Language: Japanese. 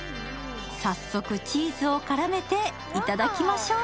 早速、チーズを絡めていただきましょう。